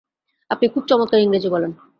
আপনি খুব চমৎকার ইংরেজি বলেন।